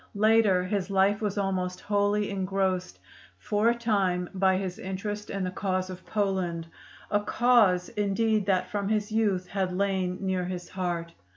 Later his life was almost wholly engrossed for a time by his interest in the cause of Poland a cause indeed that from his youth had lain near his heart.